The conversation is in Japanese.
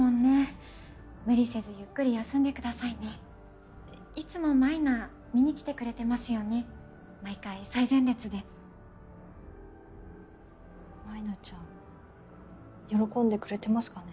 無理せずゆっくり休んでくださいねいつも舞菜見に来てくれてますよね毎回最前列で舞菜ちゃん喜んでくれてますかね